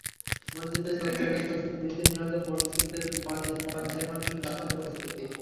মসজিদের চত্বরেই চলছে গুলিতে নিহত মসজিদের মুয়াজ্জিন মোয়াজ্জেম হোসেনের দাফনের প্রস্তুতি।